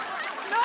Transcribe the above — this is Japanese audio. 何？